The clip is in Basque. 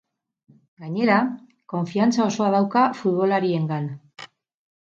Gainera, konfiantza osoa dauka furbolariengan.